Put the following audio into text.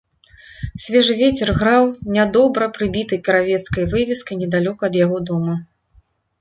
Свежы вецер граў нядобра прыбітай кравецкай вывескай недалёка ад яго дома.